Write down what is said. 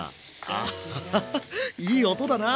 アッハハハいい音だな。